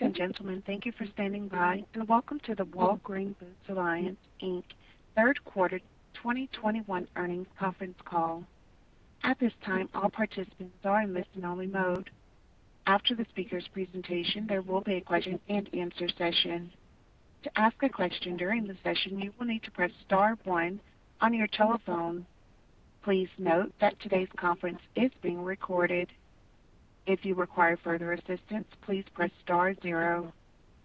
Ladies and gentlemen, thank you for standing by and welcome to the Walgreens Boots Alliance Inc. third quarter 2021 earnings conference call. At this time, all participants are in listen-only mode. After the speakers' presentation, there will be a question-and-answer session. To ask a question during the session, you will need to press star one on your telephone. Please note that today's conference is being recorded. If you require further assistance, please press star zero.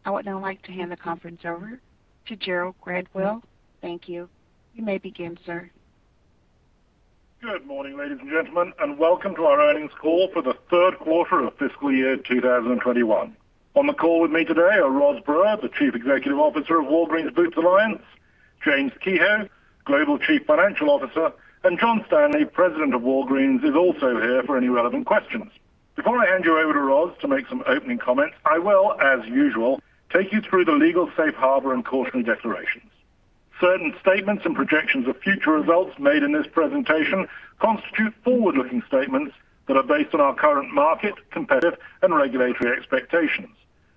I would now like to hand the conference over to Gerald Gradwell. Thank you. You may begin, sir. Good morning, ladies and gentlemen, and welcome to our earnings call for the third quarter of fiscal year 2021. On the call with me today are Roz Brewer, the Chief Executive Officer of Walgreens Boots Alliance, James Kehoe, Global Chief Financial Officer, and John Standley, President of Walgreens, is also here for any relevant questions. Before I hand you over to Roz to make some opening comments, I will, as usual, take you through the legal safe harbor and caution declarations. Certain statements and projections of future results made in this presentation constitute forward-looking statements that are based on our current market, competitive, and regulatory expectations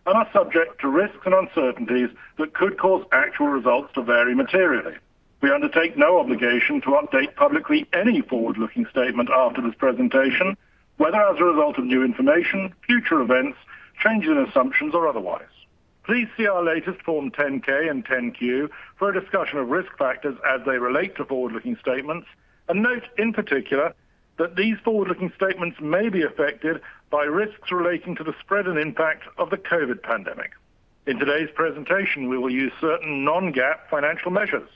and are subject to risks and uncertainties that could cause actual results to vary materially. We undertake no obligation to update publicly any forward-looking statement after this presentation, whether as a result of new information, future events, changes in assumptions, or otherwise. Please see our latest Form 10-K and 10-Q for a discussion of risk factors as they relate to forward-looking statements and note, in particular, that these forward-looking statements may be affected by risks relating to the spread and impact of the COVID-19 pandemic. In today's presentation, we will use certain non-GAAP financial measures.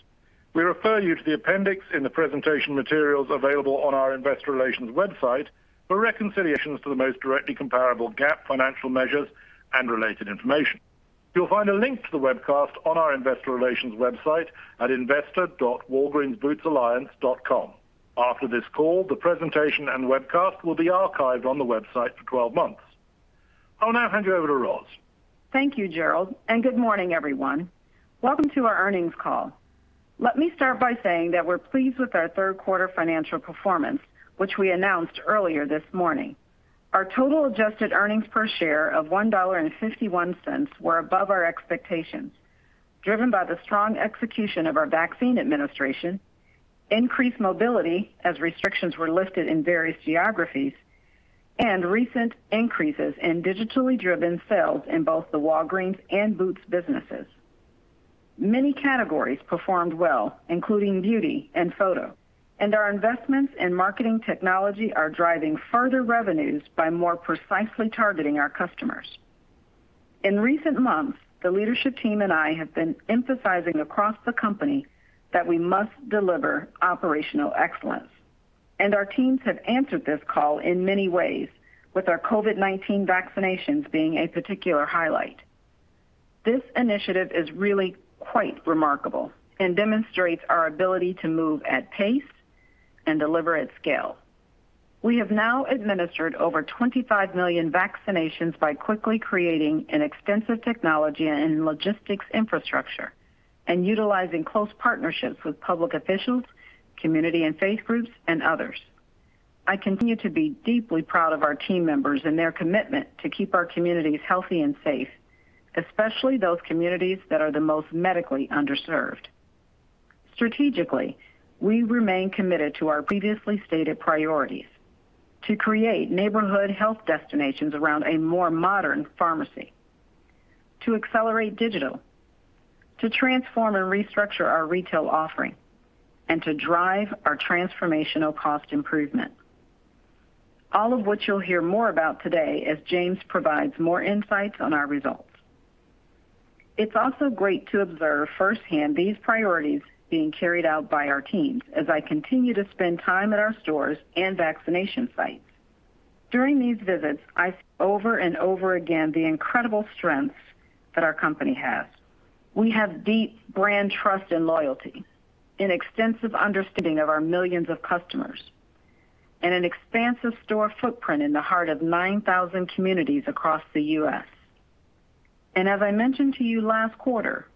We refer you to the appendix in the presentation materials available on our investor relations website for reconciliations to the most directly comparable GAAP financial measures and related information. You'll find a link to the webcast on our investor relations website at investor.walgreensbootsalliance.com. After this call, the presentation and webcast will be archived on the website for 12 months. I'll now hand you over to Roz. Thank you, Gerald. Good morning, everyone. Welcome to our earnings call. Let me start by saying that we're pleased with our third-quarter financial performance, which we announced earlier this morning. Our total adjusted earnings per share of $1.51 were above our expectations, driven by the strong execution of our vaccine administration, increased mobility as restrictions were lifted in various geographies, and recent increases in digitally-driven sales in both the Walgreens and Boots businesses. Many categories performed well, including beauty and photo. Our investments in marketing technology are driving further revenues by more precisely targeting our customers. In recent months, the leadership team and I have been emphasizing across the company that we must deliver operational excellence. Our teams have answered this call in many ways, with our COVID-19 vaccinations being a particular highlight. This initiative is really quite remarkable and demonstrates our ability to move at pace and deliver at scale. We have now administered over 25 million vaccinations by quickly creating an extensive technology and logistics infrastructure and utilizing close partnerships with public officials, community and faith groups, and others. I continue to be deeply proud of our team members and their commitment to keep our communities healthy and safe, especially those communities that are the most medically underserved. Strategically, we remain committed to our previously stated priorities to create neighborhood health destinations around a more modern pharmacy, to accelerate digital, to transform and restructure our retail offering, and to drive our transformational cost improvement. All of which you'll hear more about today as James provides more insights on our results. It's also great to observe firsthand these priorities being carried out by our teams as I continue to spend time at our stores and vaccination sites. During these visits, I see over and over again the incredible strengths that our company has. We have deep brand trust and loyalty, an extensive understanding of our millions of customers, and an expansive store footprint in the heart of 9,000 communities across the U.S. As I mentioned to you last quarter,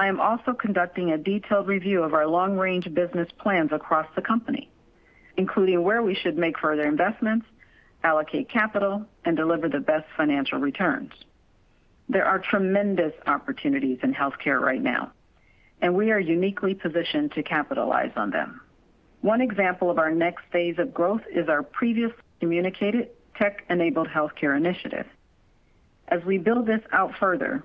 I'm also conducting a detailed review of our long-range business plans across the company, including where we should make further investments, allocate capital, and deliver the best financial returns. There are tremendous opportunities in healthcare right now, and we are uniquely positioned to capitalize on them. One example of our next phase of growth is our previously communicated tech-enabled healthcare initiative. As we build this out further,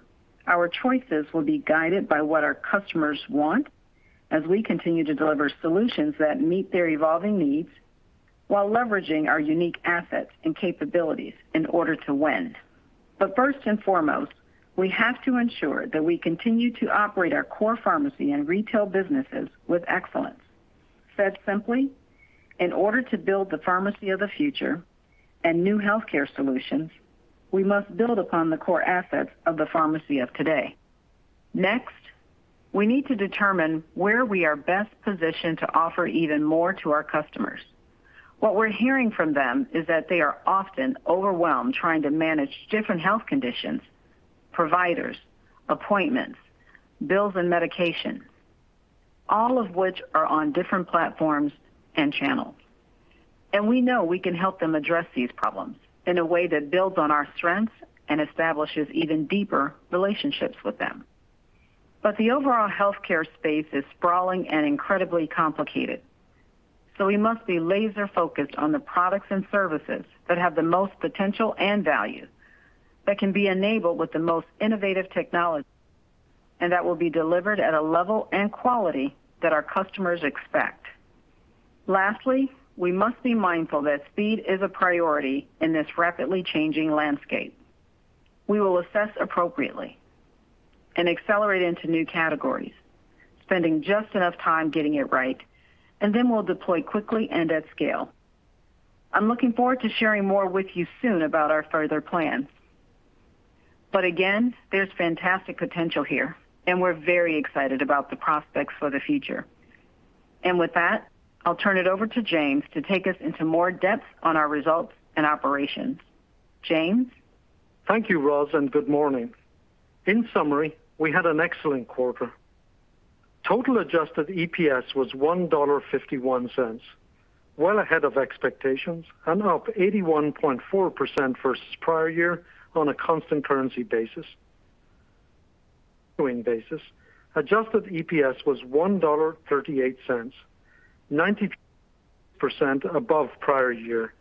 our choices will be guided by what our customers want as we continue to deliver solutions that meet their evolving needs while leveraging our unique assets and capabilities in order to win. First and foremost, we have to ensure that we continue to operate our core pharmacy and retail businesses with excellence. Said simply, in order to build the pharmacy of the future and new healthcare solutions, we must build upon the core assets of the pharmacy of today. Next, we need to determine where we are best positioned to offer even more to our customers. What we're hearing from them is that they are often overwhelmed trying to manage different health conditions, providers, appointments, bills, and medication, all of which are on different platforms and channels. We know we can help them address these problems in a way that builds on our strengths and establishes even deeper relationships with them. The overall healthcare space is sprawling and incredibly complicated. We must be laser-focused on the products and services that have the most potential and value, that can be enabled with the most innovative technology, and that will be delivered at a level and quality that our customers expect. Lastly, we must be mindful that speed is a priority in this rapidly changing landscape. We will assess appropriately and accelerate into new categories, spending just enough time getting it right, and then we'll deploy quickly and at scale. I'm looking forward to sharing more with you soon about our further plans. Again, there's fantastic potential here, and we're very excited about the prospects for the future. With that, I'll turn it over to James to take us into more depth on our results and operations. James? Thank you, Roz, and good morning. In summary, we had an excellent quarter. Total adjusted EPS was $1.51, well ahead of expectations and up 81.4% versus prior year on a constant currency basis. On a continuing basis, adjusted EPS was $1.38, [93.6%] above prior year,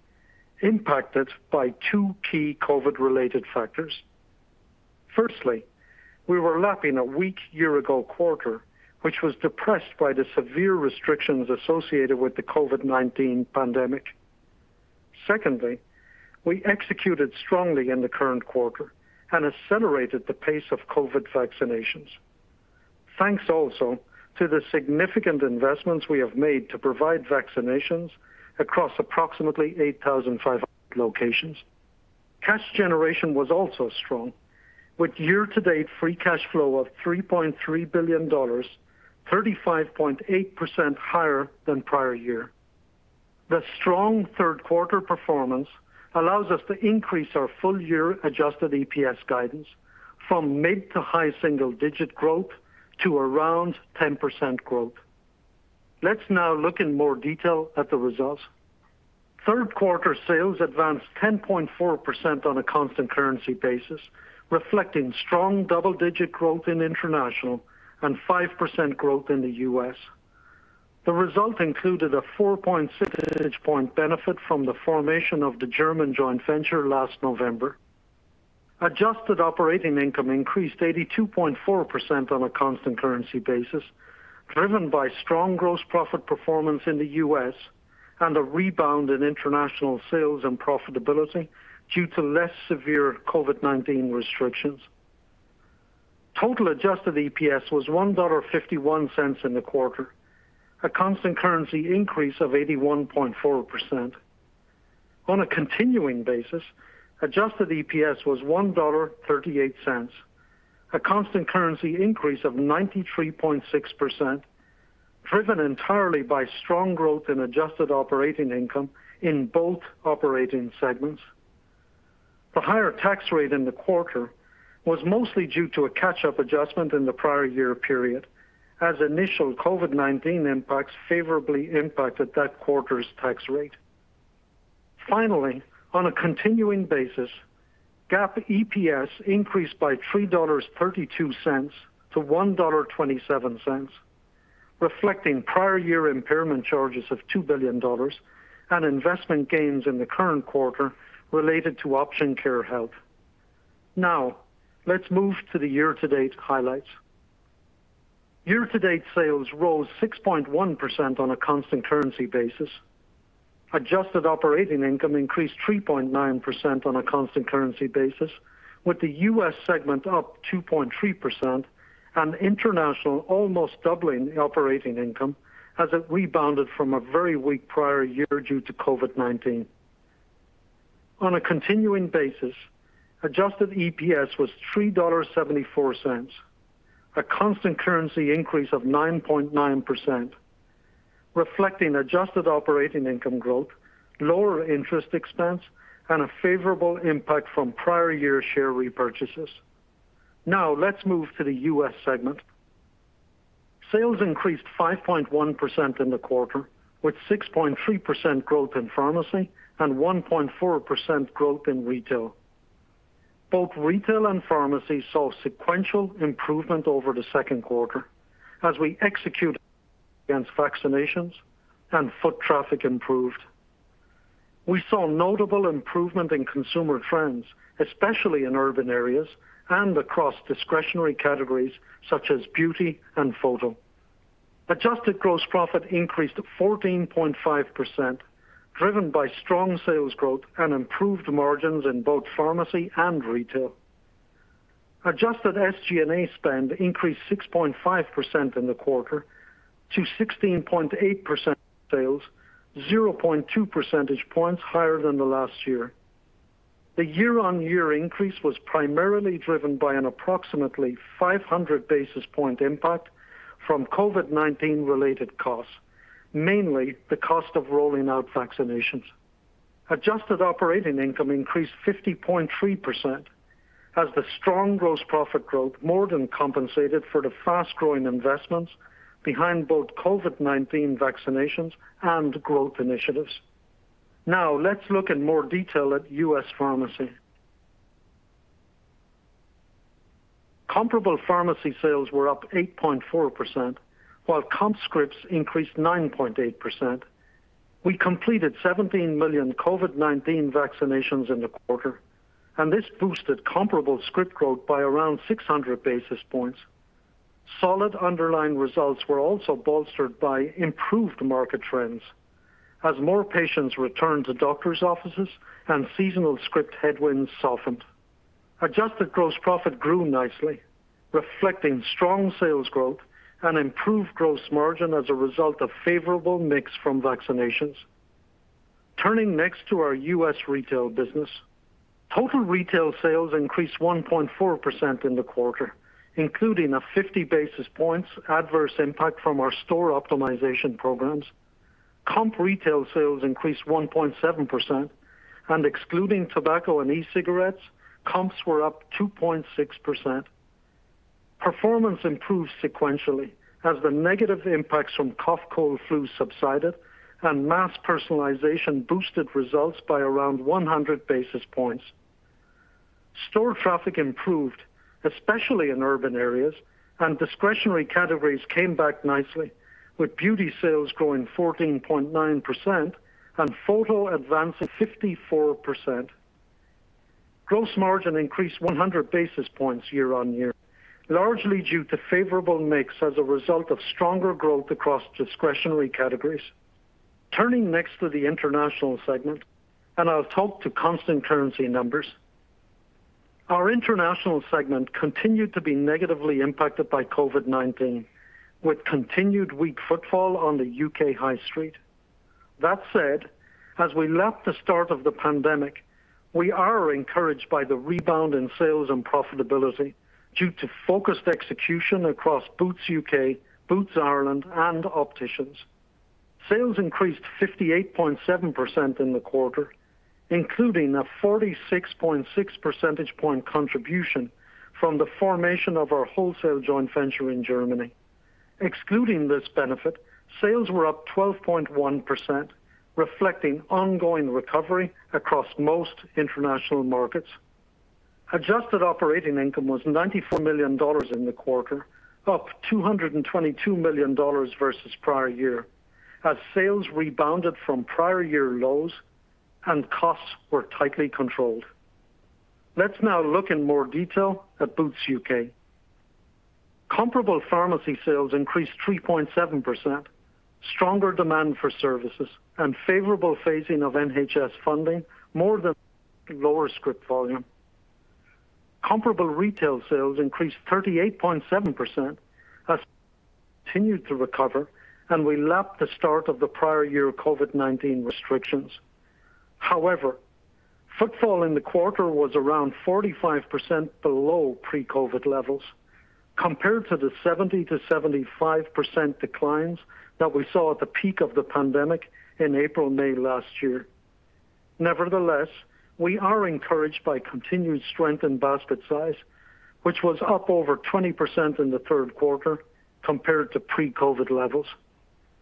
impacted by two key COVID-related factors. Firstly, we were lapping a weak year-ago quarter, which was depressed by the severe restrictions associated with the COVID-19 pandemic. Secondly, we executed strongly in the current quarter and accelerated the pace of COVID vaccinations, thanks also to the significant investments we have made to provide vaccinations across approximately 8,500 locations. Cash generation was also strong, with year-to-date free cash flow of $3.3 billion, 35.8% higher than prior year. The strong third quarter performance allows us to increase our full-year adjusted EPS guidance from mid to high single-digit growth to around 10% growth. Let's now look in more detail at the results. Third quarter sales advanced 10.4% on a constant currency basis, reflecting strong double-digit growth in international and 5% growth in the U.S. The result included a 4.6 percentage point benefit from the formation of the German joint venture last November. Adjusted operating income increased 82.4% on a constant currency basis, driven by strong gross profit performance in the U.S. and a rebound in international sales and profitability due to less severe COVID-19 restrictions. Total adjusted EPS was $1.51 in the quarter, a constant currency increase of 81.4%. On a continuing basis, adjusted EPS was $1.38, a constant currency increase of 93.6%, driven entirely by strong growth in adjusted operating income in both operating segments. The higher tax rate in the quarter was mostly due to a catch-up adjustment in the prior year period, as initial COVID-19 impacts favorably impacted that quarter's tax rate. Finally, on a continuing basis, GAAP EPS increased by $3.32 to $1.27, reflecting prior year impairment charges of $2 billion and investment gains in the current quarter related to Option Care Health. Let's move to the year-to-date highlights. Year-to-date sales rose 6.1% on a constant currency basis. Adjusted operating income increased 3.9% on a constant currency basis, with the U.S. segment up 2.3% and international almost doubling the operating income as it rebounded from a very weak prior year due to COVID-19. On a continuing basis, adjusted EPS was $3.74, a constant currency increase of 9.9%, reflecting adjusted operating income growth, lower interest expense, and a favorable impact from prior year share repurchases. Let's move to the U.S. segment. Sales increased 5.1% in the quarter, with 6.3% growth in pharmacy and 1.4% growth in retail. Both retail and pharmacy saw sequential improvement over the second quarter as we executed against vaccinations and foot traffic improved. We saw notable improvement in consumer trends, especially in urban areas and across discretionary categories such as beauty and photo. Adjusted gross profit increased to 14.5%, driven by strong sales growth and improved margins in both pharmacy and retail. Adjusted SG&A spend increased 6.5% in the quarter to 16.8% of sales, 0.2 percentage points higher than last year. The year-on-year increase was primarily driven by an approximately 500 basis point impact from COVID-19-related costs, mainly the cost of rolling out vaccinations. Adjusted operating income increased 50.3% as the strong gross profit growth more than compensated for the fast-growing investments behind both COVID-19 vaccinations and growth initiatives. Let's look in more detail at U.S. Pharmacy. Comparable pharmacy sales were up 8.4%, while comp scripts increased 9.8%. We completed 17 million COVID-19 vaccinations in the quarter, and this boosted comparable script growth by around 600 basis points. Solid underlying results were also bolstered by improved market trends as more patients returned to doctor's offices and seasonal script headwinds softened. Adjusted gross profit grew nicely, reflecting strong sales growth and improved gross margin as a result of favorable mix from vaccinations. Turning next to our U.S. Retail business. Total retail sales increased 1.4% in the quarter, including a 50 basis points adverse impact from our store optimization programs. Comp retail sales increased 1.7%, and excluding tobacco and e-cigarettes, comps were up 2.6%. Performance improved sequentially as the negative impacts from cough-cold-flu subsided and mass personalization boosted results by around 100 basis points. Store traffic improved, especially in urban areas, and discretionary categories came back nicely with beauty sales growing 14.9% and photo advancing 54%. Gross margin increased 100 basis points year-on-year, largely due to favorable mix as a result of stronger growth across discretionary categories. Turning next to the International segment, I'll talk to constant currency numbers. Our International segment continued to be negatively impacted by COVID-19, with continued weak footfall on the U.K. high street. As we lapped the start of the pandemic, we are encouraged by the rebound in sales and profitability due to focused execution across Boots Ireland, and Opticians. Sales increased 58.7% in the quarter, including a 46.6 percentage point contribution from the formation of our wholesale joint venture in Germany. Excluding this benefit, sales were up 12.1%, reflecting ongoing recovery across most international markets. Adjusted operating income was $94 million in the quarter, up $222 million versus prior year as sales rebounded from prior year lows and costs were tightly controlled. Let's now look in more detail at Boots UK. Comparable pharmacy sales increased 3.7%. Stronger demand for services and favorable phasing of NHS funding more than offset lower script volume. Comparable retail sales increased 38.7% as footfall continued to recover and we lapped the start of the prior year COVID-19 restrictions. However, footfall in the quarter was around 45% below pre-COVID levels compared to the 70%-75% declines that we saw at the peak of the pandemic in April/May last year. Nevertheless, we are encouraged by continued strength in basket size, which was up over 20% in the third quarter compared to pre-COVID levels.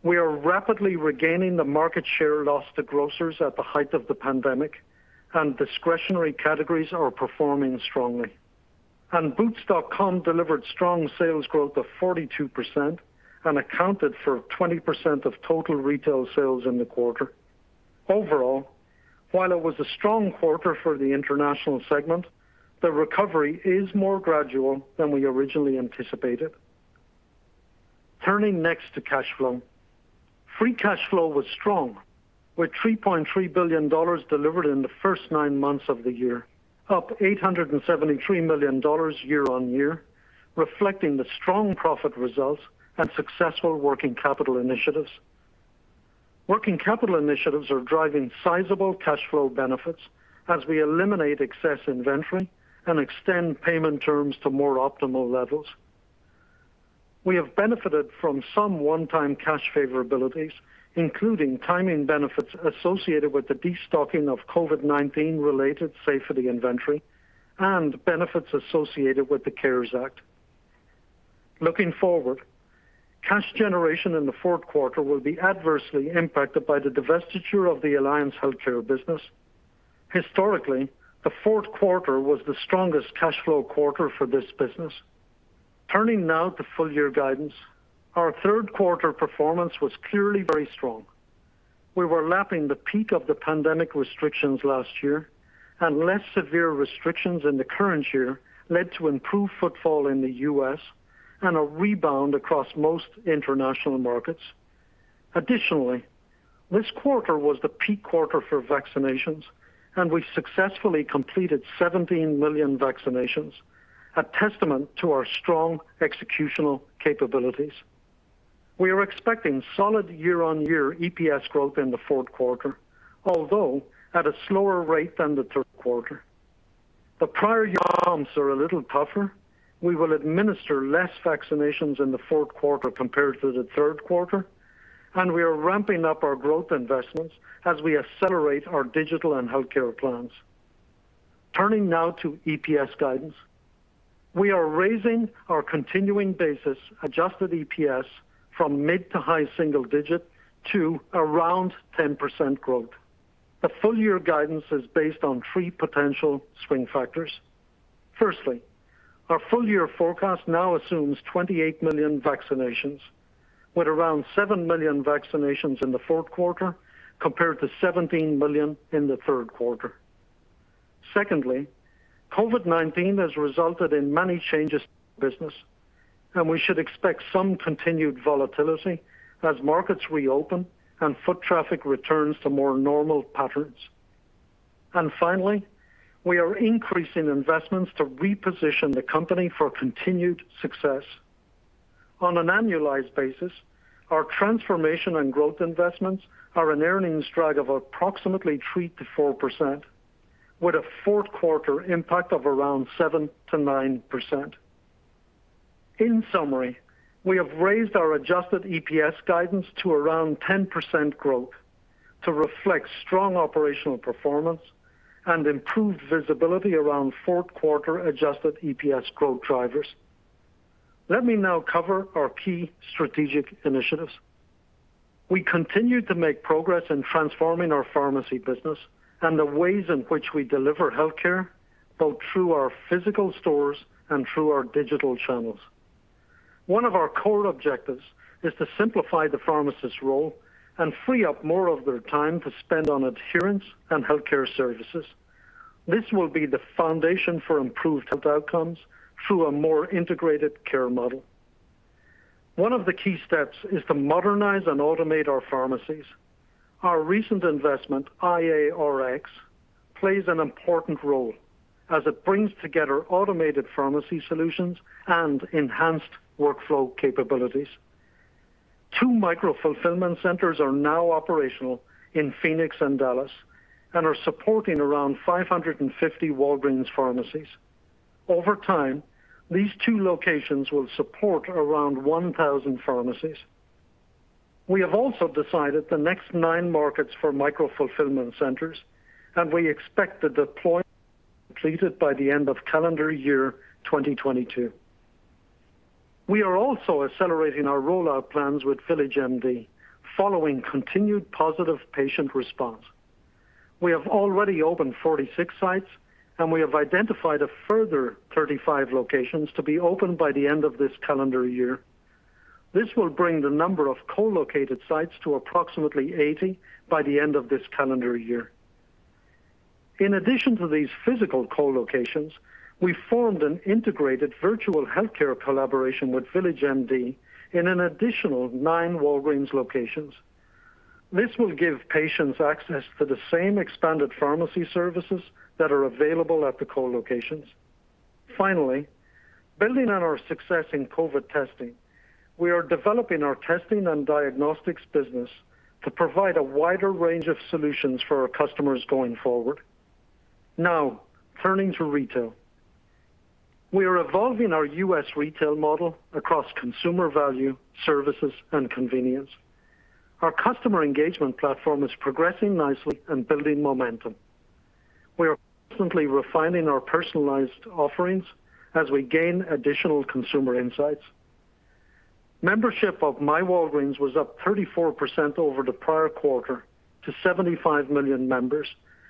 We are rapidly regaining the market share lost to grocers at the height of the pandemic, and discretionary categories are performing strongly. boots.com delivered strong sales growth of 42% and accounted for 20% of total retail sales in the quarter. Overall, while it was a strong quarter for the International segment, the recovery is more gradual than we originally anticipated. Turning next to cash flow. Free cash flow was strong, with $3.3 billion delivered in the first nine months of the year, up $873 million year-on-year, reflecting the strong profit results and successful working capital initiatives. Working capital initiatives are driving sizable cash flow benefits as we eliminate excess inventory and extend payment terms to more optimal levels. We have benefited from some one-time cash favorabilities, including timing benefits associated with the destocking of COVID-19 related safety inventory and benefits associated with the CARES Act. Looking forward, cash generation in the fourth quarter will be adversely impacted by the divestiture of the Alliance Healthcare business. Historically, the fourth quarter was the strongest cash flow quarter for this business. Turning now to full-year guidance. Our third quarter performance was clearly very strong. We were lapping the peak of the pandemic restrictions last year, and less severe restrictions in the current year led to improved footfall in the U.S. and a rebound across most international markets. Additionally, this quarter was the peak quarter for vaccinations, and we successfully completed 17 million vaccinations, a testament to our strong executional capabilities. We are expecting solid year-over-year EPS growth in the fourth quarter, although at a slower rate than the third quarter. The prior year comps are a little tougher. We will administer less vaccinations in the fourth quarter compared to the third quarter, and we are ramping up our growth investments as we accelerate our digital and healthcare plans. Turning now to EPS guidance. We are raising our continuing basis adjusted EPS from mid to high single digit to around 10% growth. The full year guidance is based on three potential swing factors. Firstly, our full year forecast now assumes 28 million vaccinations, with around 7 million vaccinations in the fourth quarter compared to 17 million in the third quarter. Secondly, COVID-19 has resulted in many changes to the business, and we should expect some continued volatility as markets reopen and foot traffic returns to more normal patterns. Finally, we are increasing investments to reposition the company for continued success. On an annualized basis, our transformation and growth investments are an earnings drag of approximately 3%-4%, with a fourth quarter impact of around 7%-9%. In summary, we have raised our adjusted EPS guidance to around 10% growth to reflect strong operational performance and improved visibility around fourth quarter adjusted EPS growth drivers. Let me now cover our key strategic initiatives. We continue to make progress in transforming our pharmacy business and the ways in which we deliver healthcare, both through our physical stores and through our digital channels. One of our core objectives is to simplify the pharmacist's role and free up more of their time to spend on adherence and healthcare services. This will be the foundation for improved health outcomes through a more integrated care model. One of the key steps is to modernize and automate our pharmacies. Our recent investment, iA, plays an important role as it brings together automated pharmacy solutions and enhanced workflow capabilities. Two micro-fulfillment centers are now operational in Phoenix and Dallas and are supporting around 550 Walgreens pharmacies. Over time, these two locations will support around 1,000 pharmacies. We have also decided the next nine markets for micro-fulfillment centers, and we expect deployment to be completed by the end of calendar year 2022. We are also accelerating our rollout plans with VillageMD following continued positive patient response. We have already opened 46 sites, and we have identified a further 35 locations to be opened by the end of this calendar year. This will bring the number of co-located sites to approximately 80 by the end of this calendar year. In addition to these physical co-locations, we formed an integrated virtual healthcare collaboration with VillageMD in an additional nine Walgreens locations. This will give patients access to the same expanded pharmacy services that are available at the co-locations. Finally, building on our success in COVID testing, we are developing our testing and diagnostics business to provide a wider range of solutions for our customers going forward. Now, turning to retail. We are evolving our U.S. retail model across consumer value, services, and convenience. Our customer engagement platform is progressing nicely and building momentum. We are constantly refining our personalized offerings as we gain additional consumer insights. Membership of myWalgreens was up 34% over the prior quarter to 75 million members,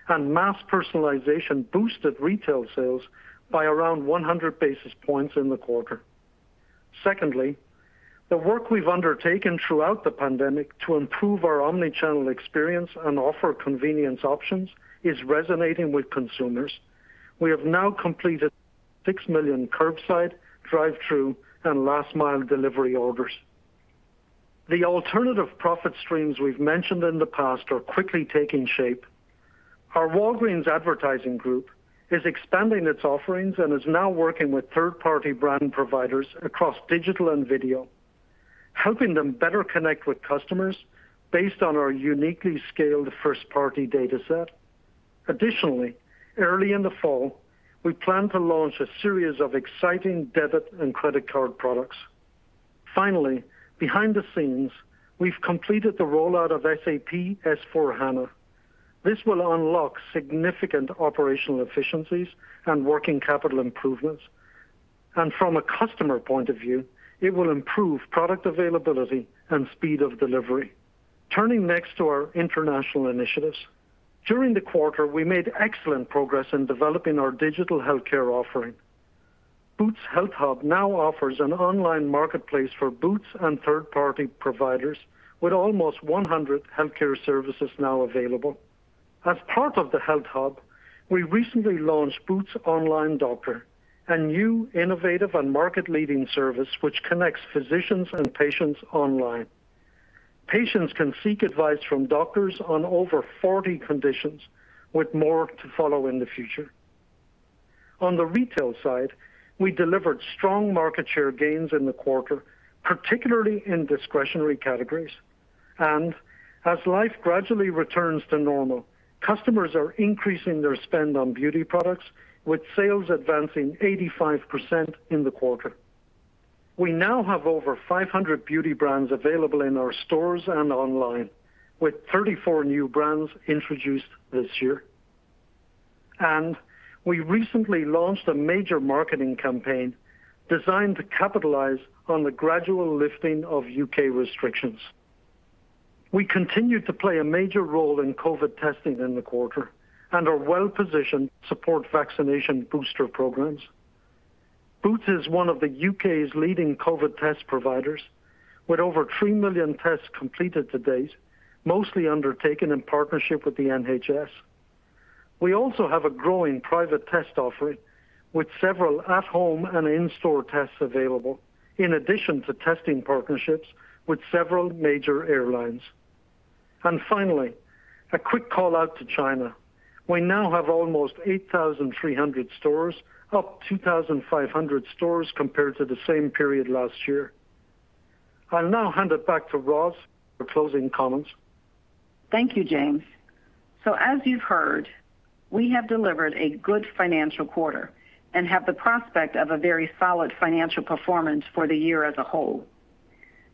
and mass personalization boosted retail sales by around 100 basis points in the quarter. Secondly, the work we've undertaken throughout the pandemic to improve our omnichannel experience and offer convenience options is resonating with consumers. We have now completed 6 million curbside, drive-thru, and last mile delivery orders. The alternative profit streams we've mentioned in the past are quickly taking shape. Our Walgreens Advertising Group is expanding its offerings and is now working with third-party brand providers across digital and video, helping them better connect with customers based on our uniquely scaled first-party data set. Additionally, early in the fall, we plan to launch a series of exciting debit and credit card products. Finally, behind the scenes, we've completed the rollout of SAP S/4HANA. This will unlock significant operational efficiencies and working capital improvements. From a customer point of view, it will improve product availability and speed of delivery. Turning next to our international initiatives. During the quarter, we made excellent progress in developing our digital healthcare offering. Boots Health Hub now offers an online marketplace for Boots and third-party providers with almost 100 healthcare services now available. As part of the Boots Health Hub, we recently launched Boots Online Doctor, a new innovative and market-leading service which connects physicians and patients online. Patients can seek advice from doctors on over 40 conditions, with more to follow in the future. As life gradually returns to normal, customers are increasing their spend on beauty products, with sales advancing 85% in the quarter. We now have over 500 beauty brands available in our stores and online, with 34 new brands introduced this year. We recently launched a major marketing campaign designed to capitalize on the gradual lifting of U.K. restrictions. We continued to play a major role in COVID testing in the quarter and are well-positioned to support vaccination booster programs. Boots is one of the U.K.'s leading COVID test providers, with over 3 million tests completed to date, mostly undertaken in partnership with the NHS. We also have a growing private test offering, with several at-home and in-store tests available, in addition to testing partnerships with several major airlines. Finally, a quick call-out to China. We now have almost 8,300 stores, up 2,500 stores compared to the same period last year. I'll now hand it back to Roz for closing comments. Thank you, James. As you've heard, we have delivered a good financial quarter and have the prospect of a very solid financial performance for the year as a whole.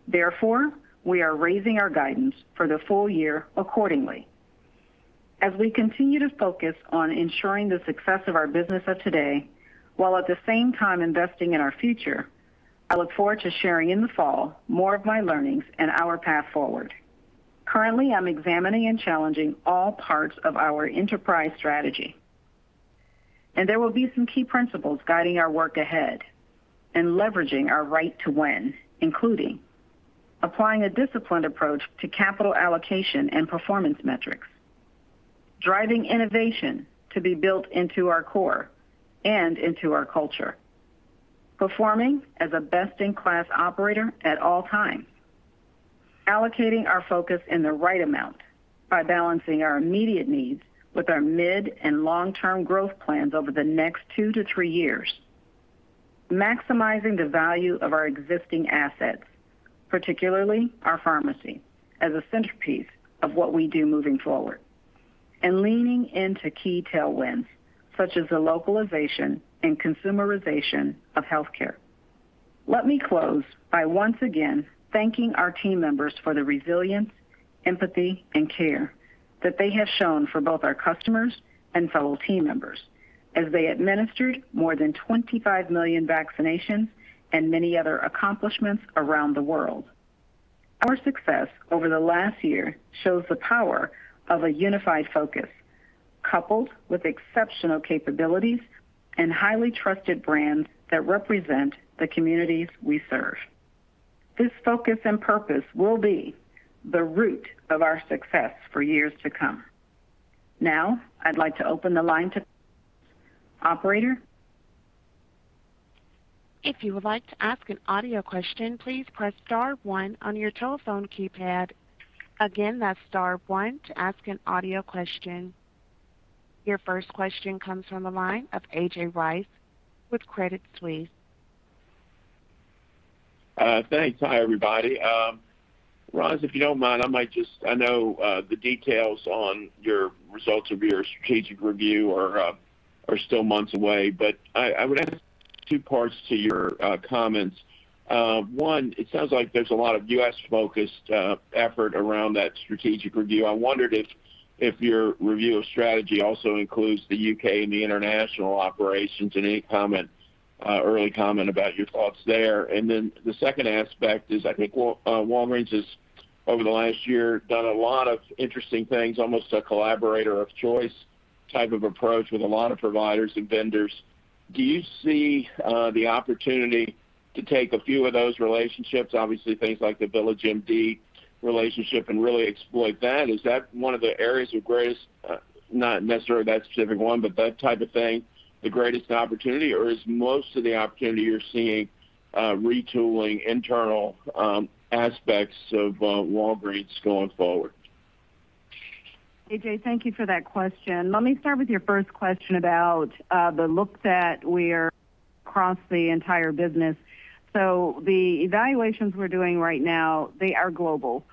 Therefore, we are raising our guidance for the full year accordingly. As we continue to focus on ensuring the success of our business of today while at the same time investing in our future, I look forward to sharing in the fall more of my learnings and our path forward. Currently, I'm examining and challenging all parts of our enterprise strategy. There will be some key principles guiding our work ahead and leveraging our right to win, including applying a disciplined approach to capital allocation and performance metrics, driving innovation to be built into our core and into our culture, performing as a best-in-class operator at all times, allocating our focus in the right amount by balancing our immediate needs with our mid- and long-term growth plans over the next two to three years, maximizing the value of our existing assets, particularly our pharmacy, as a centerpiece of what we do moving forward, and leaning into key tailwinds, such as the localization and consumerization of healthcare. Let me close by once again thanking our team members for the resilience, empathy, and care that they have shown for both our customers and fellow team members as they administered more than 25 million vaccinations and many other accomplishments around the world. Our success over the last year shows the power of a unified focus, coupled with exceptional capabilities and highly trusted brands that represent the communities we serve. This focus and purpose will be the root of our success for years to come. Now, I'd like to open the line to the Operator. Your first question comes from the line of A.J. Rice with Credit Suisse. Thanks. Hi, everybody. Roz, if you don't mind, I know the details on your results of your strategic review are still months away, but I would ask two parts to your comments. One, it sounds like there's a lot of U.S.-focused effort around that strategic review. I wondered if your review of strategy also includes the U.K. and the international operations and any early comment about your thoughts there. The second aspect is, I think Walgreens has, over the last year, done a lot of interesting things, almost a collaborator-of-choice type of approach with a lot of providers and vendors. Do you see the opportunity to take a few of those relationships, obviously things like the VillageMD relationship, and really exploit that? Is that one of the areas of greatest, not necessarily that specific one, but that type of thing, the greatest opportunity? Is most of the opportunity you're seeing retooling internal aspects of Walgreens going forward? A.J., thank you for that question. Let me start with your first question about the look that we are across the entire business. The evaluations we're doing right now, they are global.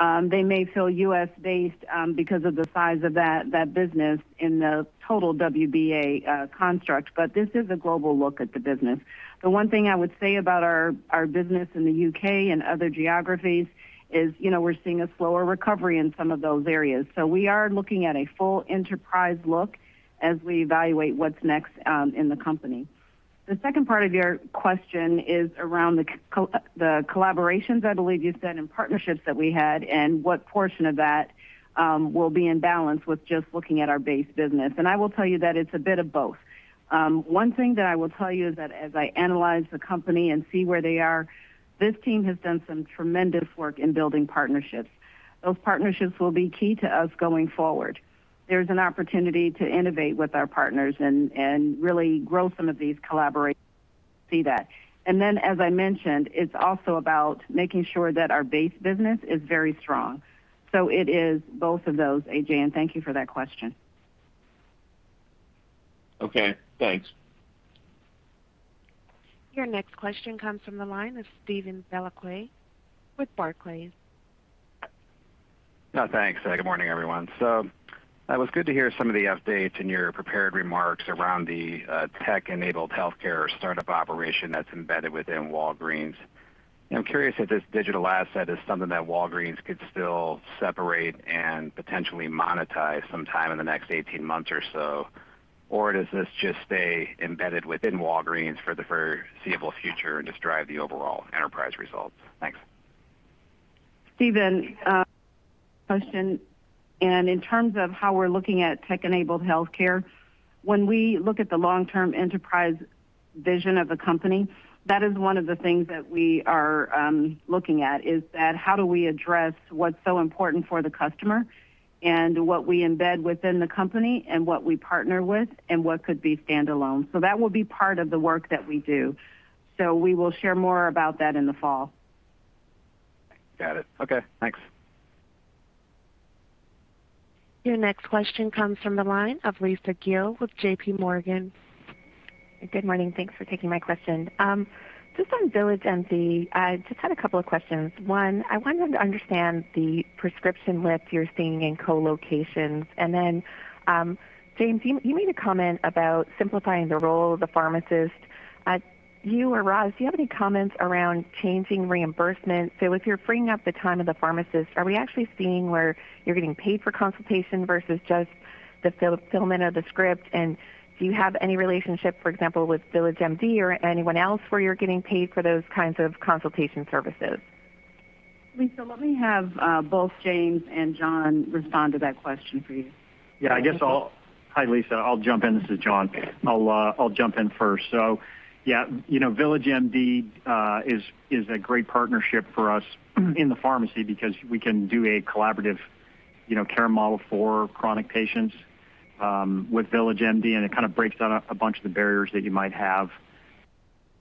They may feel U.S.-based because of the size of that business in the total WBA construct, but this is a global look at the business. The one thing I would say about our business in the U.K. and other geographies is we're seeing a slower recovery in some of those areas. We are looking at a full enterprise look as we evaluate what's next in the company. The second part of your question is around the collaborations, I believe you said, and partnerships that we had and what portion of that will be in balance with just looking at our base business, and I will tell you that it's a bit of both. One thing that I will tell you is that as I analyze the company and see where they are, this team has done some tremendous work in building partnerships. Those partnerships will be key to us going forward. There's an opportunity to innovate with our partners and really grow some of these collaborations and see that. Then, as I mentioned, it's also about making sure that our base business is very strong. It is both of those, A.J., and thank you for that question. Okay, thanks. Your next question comes from the line of Steven Valiquette with Barclays. Thanks. Good morning, everyone. It was good to hear some of the updates in your prepared remarks around the tech-enabled healthcare startup operation that's embedded within Walgreens. I'm curious if this digital asset is something that Walgreens could still separate and potentially monetize sometime in the next 18 months or so, or does this just stay embedded within Walgreens for the foreseeable future and just drive the overall enterprise results? Thanks. Steven, great question. In terms of how we're looking at tech-enabled healthcare, when we look at the long-term enterprise vision of the company, that is one of the things that we are looking at, is that how do we address what's so important for the customer and what we embed within the company and what we partner with and what could be standalone? That will be part of the work that we do. We will share more about that in the fall. Got it. Okay, thanks. Your next question comes from the line of Lisa Gill with JPMorgan. Good morning. Thanks for taking my question. Just on VillageMD, I just had a couple of questions. One, I wanted to understand the prescription lift you're seeing in co-locations, and then, James, you made a comment about simplifying the role of the pharmacist. You or Roz, do you have any comments around changing reimbursement? If you're freeing up the time of the pharmacist, are we actually seeing where you're getting paid for consultation versus just the fulfillment of the script? And do you have any relationship, for example, with VillageMD or anyone else where you're getting paid for those kinds of consultation services? Lisa, let me have both James and John respond to that question for you. Hi, Lisa. This is John. I'll jump in first. VillageMD is a great partnership for us in the pharmacy because we can do a collaborative care model for chronic patients with VillageMD, and it kind of breaks down a bunch of the barriers that you might have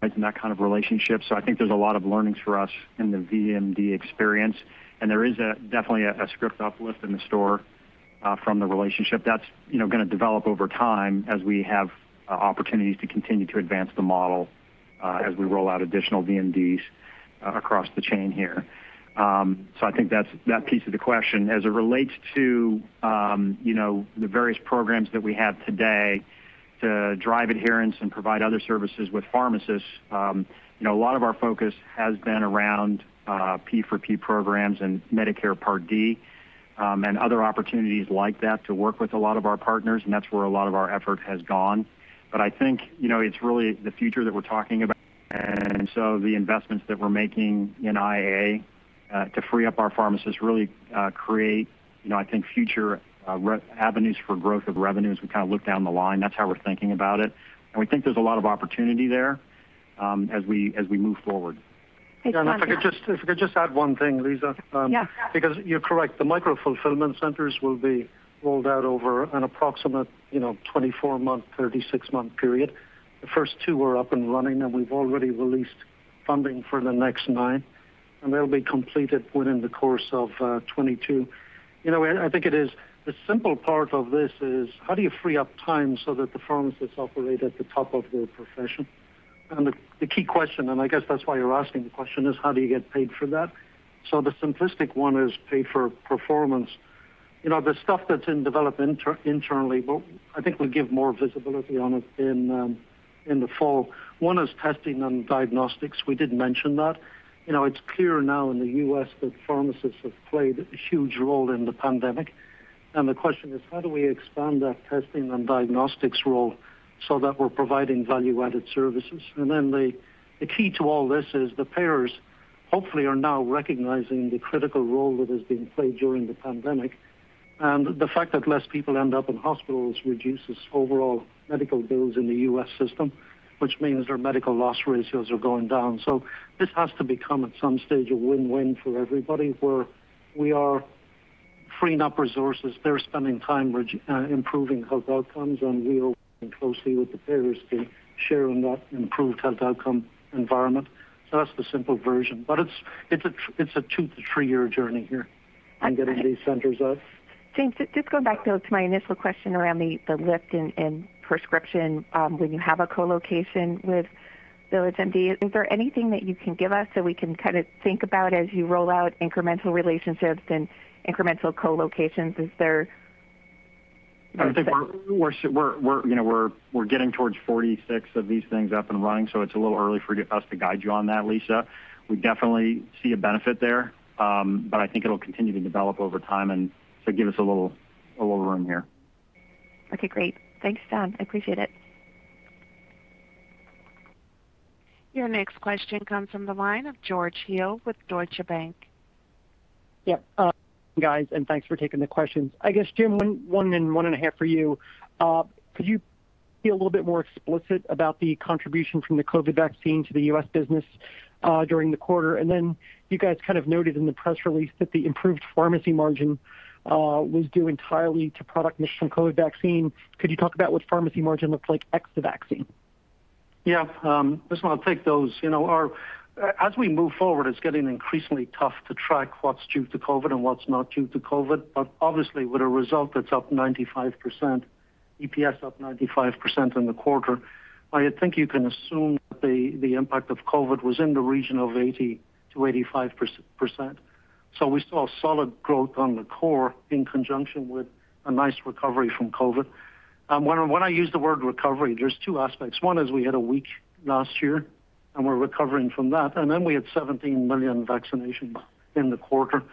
in that kind of relationship. I think there's a lot of learnings for us in the VillageMD experience, and there is definitely a script uplift in the store from the relationship. That's going to develop over time as we have opportunities to continue to advance the model as we roll out additional VMDs across the chain here. I think that piece of the question. As it relates to the various programs that we have today to drive adherence and provide other services with pharmacists, a lot of our focus has been around P4Q programs and Medicare Part D and other opportunities like that to work with a lot of our partners, and that's where a lot of our effort has gone. I think it's really the future that we're talking about today, and so the investments that we're making in iA to free up our pharmacists really create, I think, future avenues for growth of revenues. We kind of look down the line. That's how we're thinking about it, and we think there's a lot of opportunity there as we move forward. Thanks, John. If I could just add one thing, Lisa. Yes. You're correct, the micro-fulfillment centers will be rolled out over an approximate 24-month, 36-month period. The first two are up and running, and we've already released funding for the next nine, and they'll be completed within the course of 2022. I think the simple part of this is how do you free up time so that the pharmacists operate at the top of their profession? The key question, and I guess that's why you're asking the question, is how do you get paid for that? The simplistic one is pay for performance. There's stuff that's in development internally, I think we'll give more visibility on it in the fall. One is testing and diagnostics. We didn't mention that. It's clear now in the U.S. that pharmacists have played a huge role in the pandemic. The question is how do we expand that testing and diagnostics role so that we're providing value-added services? The key to all this is the payers hopefully are now recognizing the critical role that has been played during the pandemic, and the fact that less people end up in hospitals reduces overall medical bills in the U.S. system, which means their medical loss ratios are going down. This has to become, at some stage, a win-win for everybody, where we are freeing up resources. They're spending time improving health outcomes. We are working closely with the payers to share in that improved health outcome environment. That's the simple version, but it's a two- to three-year journey here. Getting these centers up. James, just to go back, though, to my initial question around the lift in prescription when you have a co-location with VillageMD. Is there anything that you can give us so we can kind of think about as you roll out incremental relationships and incremental co-locations? I think we're getting towards 46 of these things up and running. It's a little early for us to guide you on that, Lisa. We definitely see a benefit there. I think it'll continue to develop over time. Give us a little run here. Okay, great. Thanks, John. I appreciate it. Your next question comes from the line of George Hill with Deutsche Bank. Yeah. Guys, thanks for taking the questions. I guess, Jim, 1.5 for you. Could you be a little bit more explicit about the contribution from the COVID vaccine to the U.S. business during the quarter? Then you guys kind of noted in the press release that the improved pharmacy margin was due entirely to product mix from COVID vaccine. Could you talk about what pharmacy margin looks like ex the vaccine? Yeah. Listen, I'll take those. As we move forward, it's getting increasingly tough to track what's due to COVID- and what's not due to COVID. Obviously, with a result that's up 95%, EPS up 95% in the quarter, I think you can assume that the impact of COVID-19 was in the region of 80%-85%. We saw solid growth on the core in conjunction with a nice recovery from COVID. When I use the word recovery, there's two aspects. One is we had a weak last year, we're recovering from that, we had 17 million vaccinations in the quarter.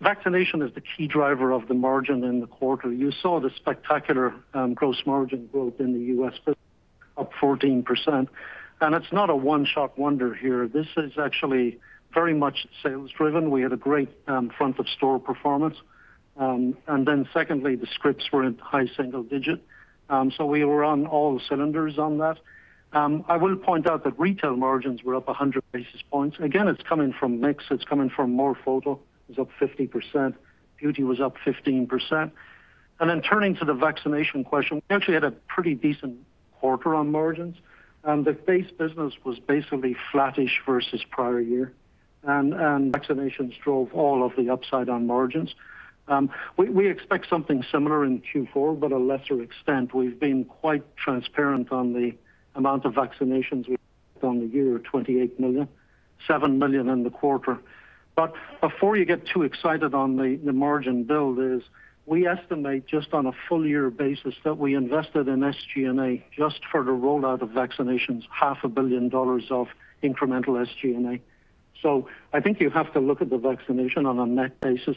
Vaccination is the key driver of the margin in the quarter. You saw the spectacular gross margin growth in the U.S. business, up 14%. It's not a one-shot wonder here. This is actually very much sales driven. We had a great front of store performance. Secondly, the scripts were in high single-digit. We were on all the cylinders on that. I would point out that retail margins were up 100 basis points. Again, it's coming from mix, it's coming from more photo. It was up 50%. Beauty was up 15%. Turning to the vaccination question, we actually had a pretty decent quarter on margins. The base business was basically flattish versus prior year. Vaccinations drove all of the upside on margins. We expect something similar in Q4, but a lesser extent. We've been quite transparent on the amount of vaccinations we've done on the year, 28 million, 7 million in the quarter. Before you get too excited on the margin build is, we estimate just on a full year basis that we invested in SG&A just for the rollout of vaccinations, $0.5 billion of incremental SG&A. I think you have to look at the vaccination on a net basis.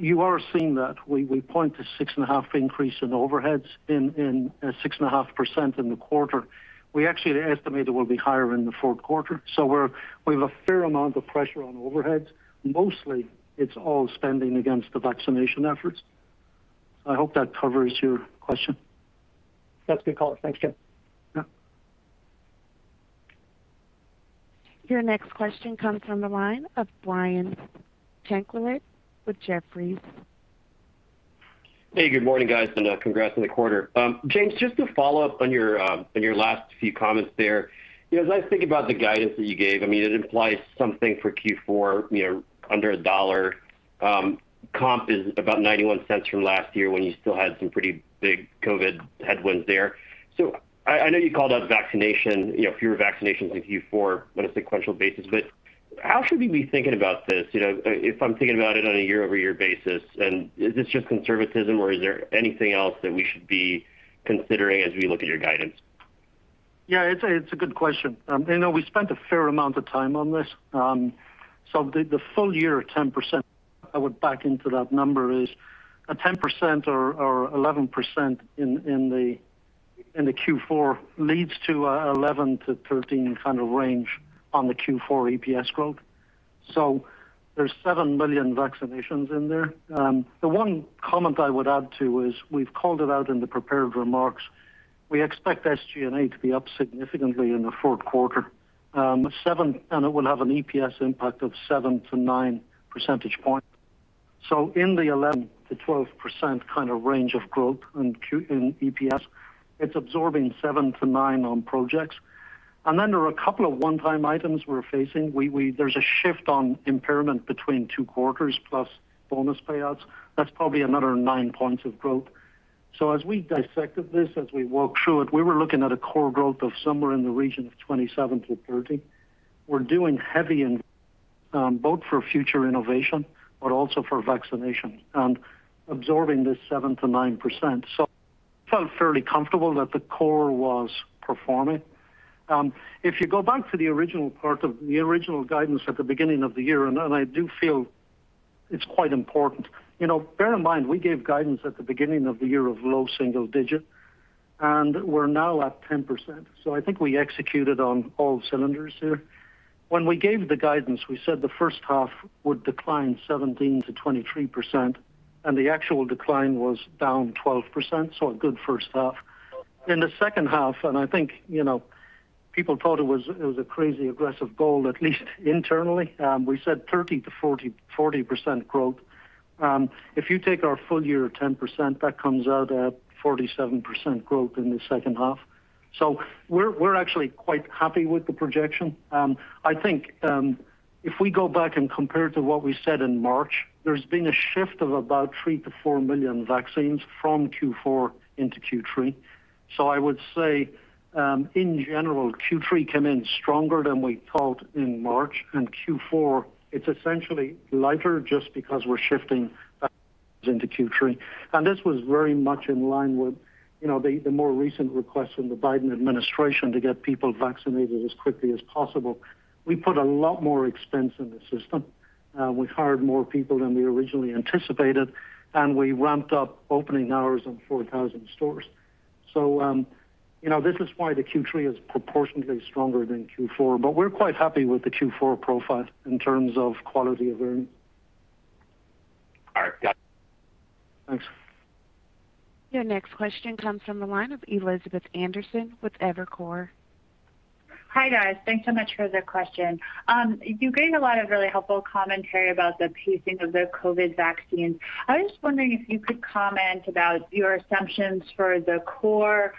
You are seeing that. We point to 6.5% increase in overheads, 6.5% in the quarter. We actually estimated it will be higher in the fourth quarter. We have a fair amount of pressure on overhead. Mostly, it's all spending against the vaccination efforts. I hope that covers your question. Thank you for taking my call, thank you. Your next question comes from the line of Brian Tanquilut with Jefferies. Hey, good morning, guys, and congrats on the quarter. James, just to follow up on your last few comments there. I think about the guidance that you gave, it implies something for Q4 under $1. Comp is about $0.91 from last year when you still had some pretty big COVID headwinds there. I know you called out fewer vaccinations in Q4 on a sequential basis. How should we be thinking about this if I'm thinking about it on a year-over-year basis, and is this just conservatism or is there anything else that we should be considering as we look at your guidance? Yeah, it's a good question. We spent a fair amount of time on this. The full year 10%, I would back into that number is a 10% or 11% in the Q4 leads to a 11%-13% kind of range on the Q4 EPS growth. There's 7 million vaccinations in there. The one comment I would add, too, is we've called it out in the prepared remarks. We expect SG&A to be up significantly in the fourth quarter, and it will have an EPS impact of 7-9 percentage points. In the 11%-12% kind of range of growth in EPS, it's absorbing 7-9 on projects. There are a couple of one-time items we're facing. There's a shift on impairment between two quarters plus bonus payouts. That's probably another 9 points of growth. As we dissected this, as we walked through it, we were looking at a core growth of somewhere in the region of 27%-30%. We're doing heavy investment both for future innovation, but also for vaccination and absorbing this 7%-9%. We felt fairly comfortable that the core was performing. If you go back to the original guidance at the beginning of the year, and I do feel it's quite important. Bear in mind, we gave guidance at the beginning of the year of low single-digit, and we're now at 10%. I think we executed on all cylinders here. When we gave the guidance, we said the first half would decline 17%-23%, and the actual decline was down 12%, so a good first half. I think people thought it was a crazy aggressive goal, at least internally. We said 30%-40% growth. If you take our full year 10%, that comes out at 47% growth in the second half. We're actually quite happy with the projection. I think if we go back and compare to what we said in March, there's been a shift of about 3 million-4 million vaccines from Q4 into Q3. I would say, in general, Q3 came in stronger than we thought in March, and Q4, it's essentially lighter just because we're shifting vaccines into Q3. This was very much in line with the more recent request from the Biden administration to get people vaccinated as quickly as possible. We put a lot more expense in the system. We hired more people than we originally anticipated, and we ramped up opening hours in 4,000 stores. This is why the Q3 is proportionately stronger than Q4, but we're quite happy with the Q4 profile in terms of quality of earnings. All right. Got it. Thanks. Your next question comes from the line of Elizabeth Anderson with Evercore. Hi guys. Thanks so much for the question. You gave a lot of really helpful commentary about the pacing of the COVID vaccine. I'm just wondering if you could comment about your assumptions for the core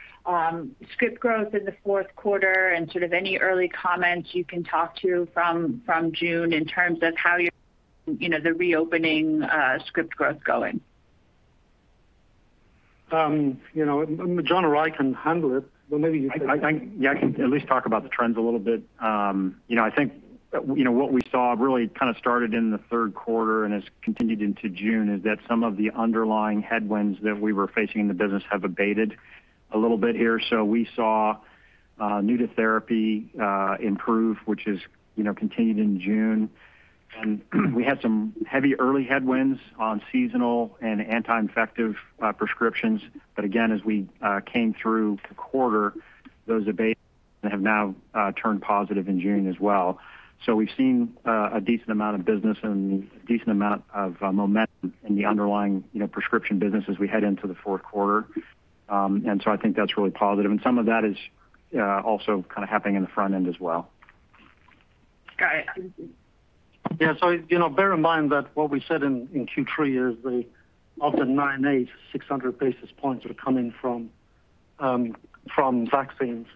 script growth in the fourth quarter and any early comments you can talk to from June in terms of how the reopening script growth going? John or I can handle it. Well, maybe you can. I can at least talk about the trends a little bit. I think what we saw really started in the third quarter and has continued into June, is that some of the underlying headwinds that we were facing in the business have abated a little bit here. We saw new to therapy improve, which has continued in June. We had some heavy early headwinds on seasonal and anti-infective prescriptions. Again, as we came through the quarter, those abated and have now turned positive in June as well. We've seen a decent amount of business and a decent amount of momentum in the underlying prescription business as we head into the fourth quarter. I think that's really positive. Some of that is also happening in the front end as well. Got it. Thank you. Yeah. Bear in mind that what we said in Q3 is the of the 9.8, 600 basis points are coming from vaccines,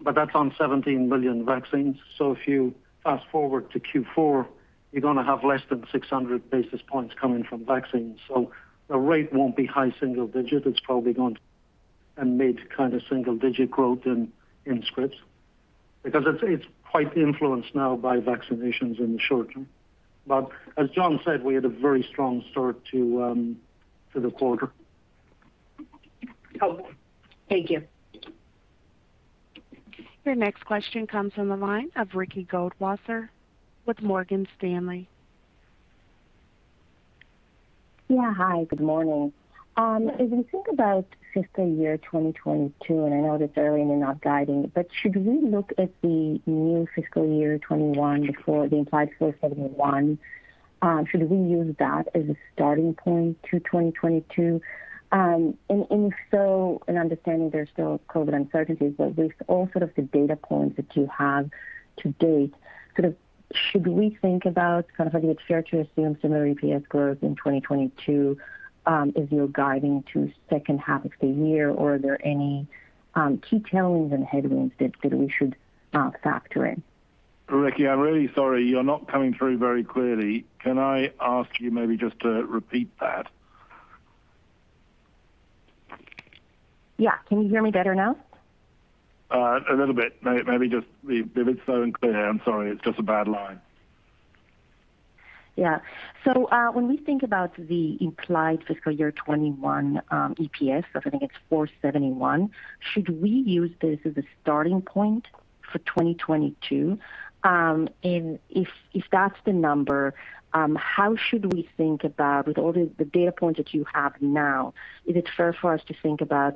but that's on 17 million vaccines. If you fast-forward to Q4, you're going to have less than 600 basis points coming from vaccines. The rate won't be high single digits. It's probably going to be mid kind of single digit growth in scripts, because it's quite influenced now by vaccinations in the short term. As John said, we had a very strong start to the quarter. Thank you. Your next question comes from the line of Ricky Goldwasser with Morgan Stanley. Yeah. Hi, good morning. As we think about fiscal year 2022, and I know that's early and you're not guiding, but should we look at the new fiscal year 2021 before the 4.71? Should we use that as a starting point to 2022? If so, and understanding there's still COVID-19 uncertainties, but based off of the data points that you have to date, should we think about how you'd share to assume similar EPS growth in 2022, as you're guiding to second half of the year? Are there any key challenges and headwinds that we should factor in? Ricky, I'm really sorry. You're not coming through very clearly. Can I ask you maybe just to repeat that? Yeah. Can you hear me better now? A little bit. Maybe just leave it. It's so unclear. I'm sorry. It's just a bad line. Yeah. When we think about the implied fiscal year 2021 EPS, I think it's $471, should we use this as a starting point for 2022? If that's the number, how should we think about all the data points that you have now, is it fair for us to think about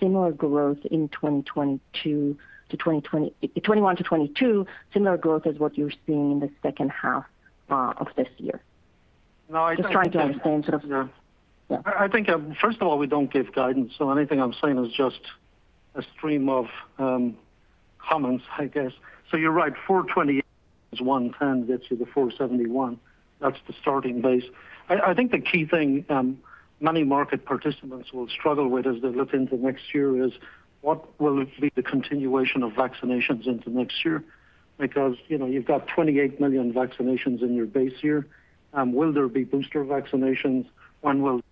similar growth in 2021 to 2022, similar growth as what you're seeing in the second half of this year? No, I think- Just trying to understand. Yeah. Yeah. I think first of all, we don't give guidance, anything I'm saying is just a stream of comments, I guess. You're right, 428 is one and gets you the 471. That's the starting base. I think the key thing many market participants will struggle with as they look into next year is what will be the continuation of vaccinations into next year? You've got 28 million vaccinations in your base year. Will there be booster vaccinations? When will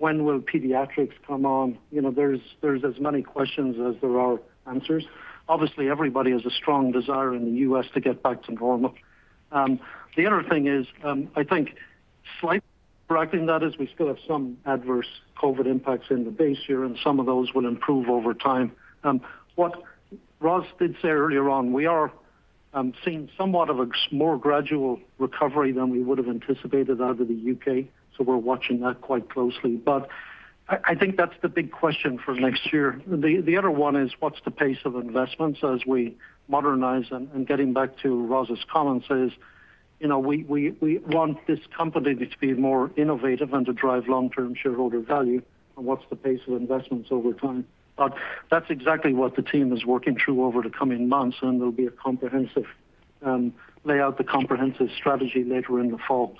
pediatrics come on? There's as many questions as there are answers. Obviously, everybody has a strong desire in the U.S. to get back to normal. The other thing is, I think slightly bracketing that is we still have some adverse COVID impacts in the base year, some of those would improve over time. Roz did say earlier on, we are seeing somewhat of a more gradual recovery than we would've anticipated out of the U.K., so we're watching that quite closely. I think that's the big question for next year. The other one is what's the pace of investments as we modernize them? Getting back to Roz's comments is, we want this company to be more innovative and to drive long-term shareholder value, and what's the pace of investments over time? That's exactly what the team is working through over the coming months, and there'll be a comprehensive lay out, the comprehensive strategy later in the fall.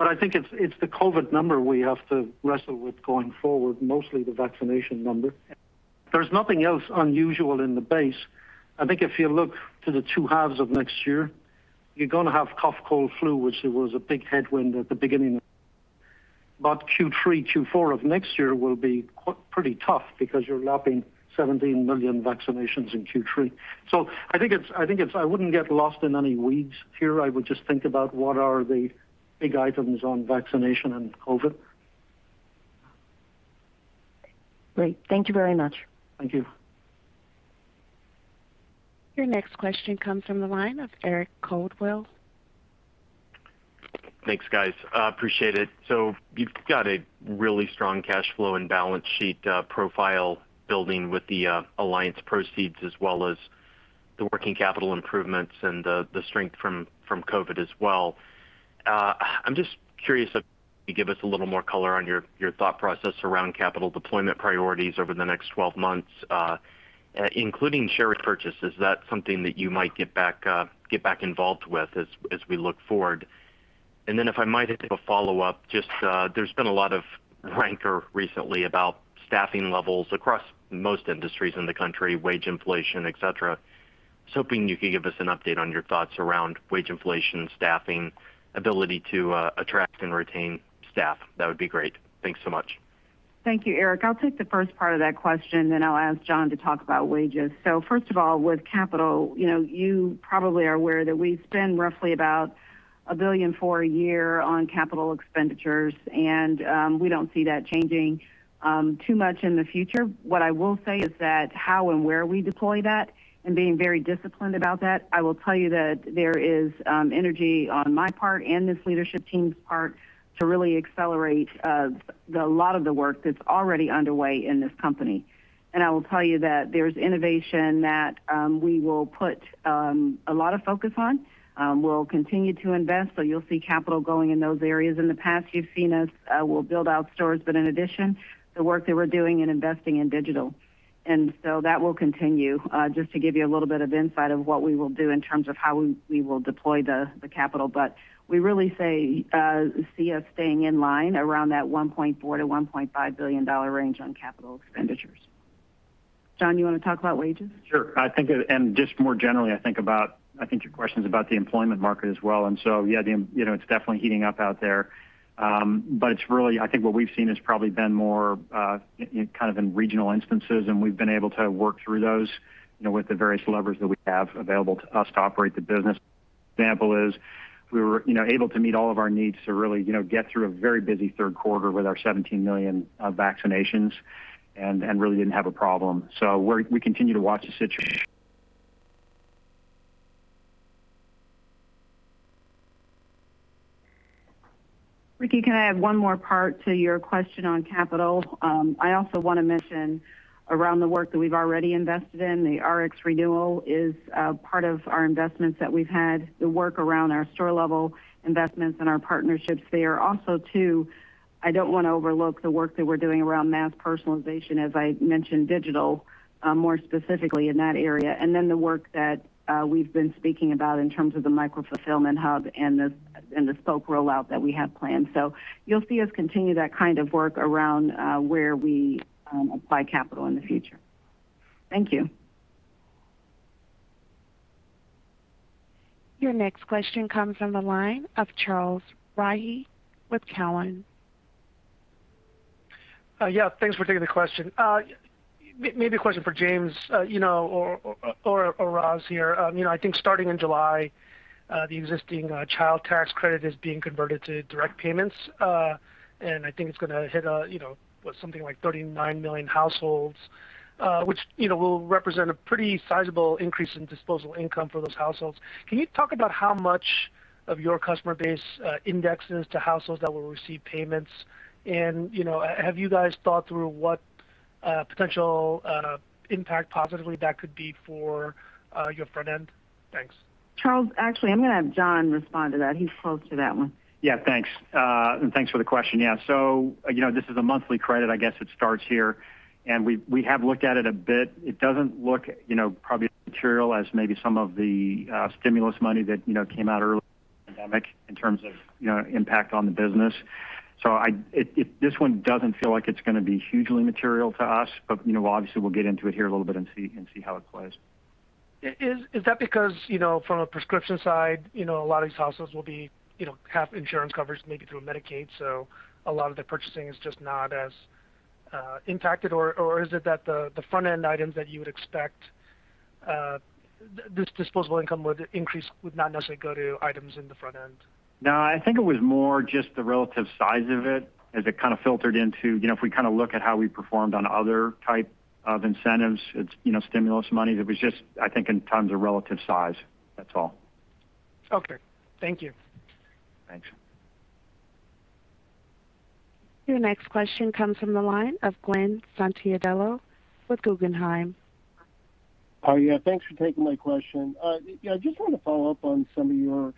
I think it's the COVID number we have to wrestle with going forward, mostly the vaccination number. There's nothing else unusual in the base. I think if you look to the two halves of next year, you're going to have cough, cold, flu, which was a big headwind at the beginning. Q3, Q4 of next year will be pretty tough because you're lapping 17 million vaccinations in Q3. I think I wouldn't get lost in any weeds here. I would just think about what are the big items on vaccination and COVID. Great. Thank you very much. Thank you. Your next question comes from the line of Eric Coldwell. Thanks, guys. Appreciate it. You've got a really strong cash flow and balance sheet profile building with the Alliance proceeds as well as the working capital improvements and the strength from COVID as well. I'm just curious if you could give us a little more color on your thought process around capital deployment priorities over the next 12 months, including share purchases. Is that something that you might get back involved with as we look forward? If I might take a follow-up, there's been a lot of rancor recently about staffing levels across most industries in the country, wage inflation, et cetera. Just hoping you can give us an update on your thoughts around wage inflation and staffing ability to attract and retain staff. That would be great. Thanks so much. Thank you, Eric. I'll take the first part of that question, then I'll ask John to talk about wages. First of all, with capital, you probably are aware that we spend roughly about $1.4 billion a year on capital expenditures, and we don't see that changing too much in the future. What I will say is that how and where we deploy that and being very disciplined about that, I will tell you that there is energy on my part and this leadership team's part to really accelerate a lot of the work that's already underway in this company. I will tell you that there's innovation that we will put a lot of focus on. We'll continue to invest, but you'll see capital going in those areas. In the past, you've seen us build out stores. In addition, the work that we're doing in investing in digital. That will continue. Just to give you a little bit of insight of what we will do in terms of how we will deploy the capital. We really see us staying in line around that $1.4 billion-$1.5 billion range on capital expenditures. John, do you want to talk about wages? Sure. Just more generally, I think your question is about the employment market as well. Yeah, it's definitely heating up out there. Really, I think what we've seen has probably been more kind of in regional instances, and we've been able to work through those, with the various levers that we have available to us to operate the business. An example is we were able to meet all of our needs to really get through a very busy third quarter with our 17 million vaccinations and really didn't have a problem. We continue to watch the situation. Ricky, can I add one more part to your question on capital? I also want to mention around the work that we've already invested in, the Rx Renewal is part of our investments that we've had. The work around our store-level investments and our partnerships there. Too, I don't want to overlook the work that we're doing around mass personalization, as I mentioned, digital more specifically in that area. The work that we've been speaking about in terms of the micro-fulfillment hub and the store rollout that we have planned. You'll see us continue that kind of work around where we apply capital in the future. Thank you. Your next question comes from the line of Charles Rhyee with Cowen. Yeah, thanks for taking the question. Maybe a question for James or Roz here. I think starting in July, the existing child tax credit is being converted to direct payments. I think it's going to hit something like 39 million households, which will represent a pretty sizable increase in disposable income for those households. Can you talk about how much of your customer base indexes to households that will receive payments? Have you guys thought through what potential impact positively that could be for your front end? Thanks. Charles, actually, I'm going to have John respond to that. He's closer to that one. Yeah, thanks. Thanks for the question. Yeah. Again, this is a monthly credit, I guess it starts here. We have looked at it a bit. It doesn't look probably as material as maybe some of the stimulus money that came out early in the pandemic in terms of impact on the business. This one doesn't feel like it's going to be hugely material to us, but obviously, we'll get into it here a little bit and see how it plays. Is that because from a prescription side, a lot of these households will have insurance coverage maybe through Medicaid, so a lot of the purchasing is just not as impacted? Or is it that the front-end items that you would expect this disposable income would increase would not necessarily go to items in the front end? No, I think it was more just the relative size of it as it kind of filtered into, if we kind of look at how we performed on other type of incentives, stimulus money, that was just I think in terms of relative size, that's all. Okay, thank you. Thanks. Your next question comes from the line of Glen Santangelo with Guggenheim. Yeah, thanks for taking my question. Yeah, I just want to follow up on some of your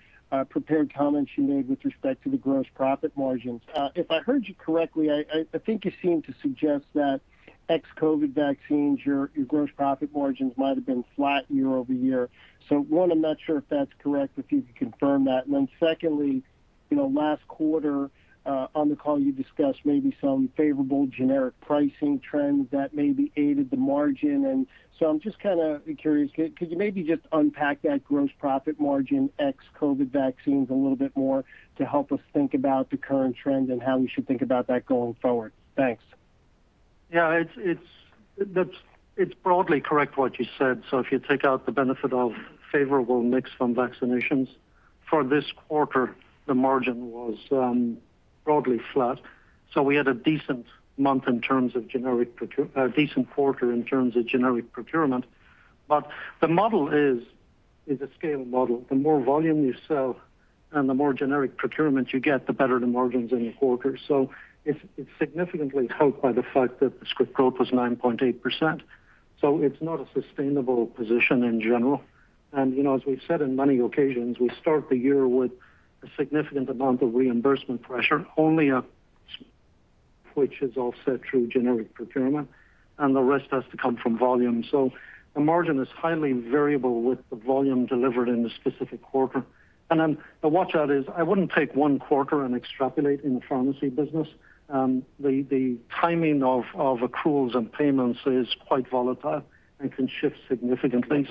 prepared comments you made with respect to the gross profit margins. If I heard you correctly, I think you seem to suggest that ex-COVID vaccines, your gross profit margins might have been flat year-over-year. One, I'm not sure if that's correct. Could you confirm that? Secondly, last quarter on the call, you discussed maybe some favorable generic pricing trends that maybe aided the margin. I'm just kind of curious, could you maybe just unpack that gross profit margin ex-COVID vaccines a little bit more to help us think about the current trend and how we should think about that going forward? Thanks. Yeah, it's broadly correct what you said. If you take out the benefit of favorable mix from vaccinations for this quarter, the margin was broadly flat. We had a decent quarter in terms of generic procurement. The model is a scale model. The more volume you sell and the more generic procurement you get, the better the margins in a quarter. It's significantly helped by the fact that script growth was 9.8%. It's not a sustainable position in general. As we've said on many occasions, we start the year with a significant amount of reimbursement pressure, only some of which is offset through generic procurement, and the rest has to come from volume. The margin is highly variable with the volume delivered in a specific quarter. The watch out is I wouldn't take one quarter and extrapolate in the pharmacy business. The timing of accruals and payments is quite volatile and can shift significantly.